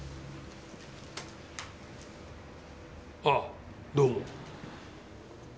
あっどうも。